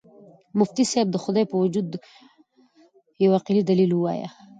مفتي صاحب د خدای په وجود یو عقلي دلیل ووایه.